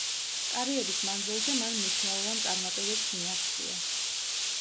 კარიერის მანძილზე მან მნიშვნელოვან წარმატებებს მიაღწია.